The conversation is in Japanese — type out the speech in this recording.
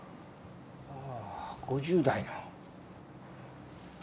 ああ５０代の。